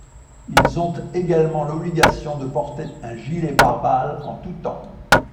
Ils ont également l'obligation de porter un gilet par balle en tout temps.